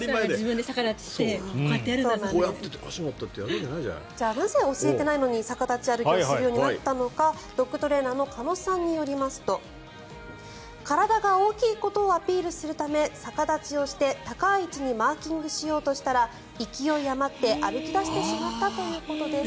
ではなぜ教えていないのに逆立ち歩きするようになったのかドッグトレーナーの鹿野さんによりますと体が大きいことをアピールするため逆立ちをして、高い位置にマーキングしようとしたら勢い余って歩き出してしまったということです。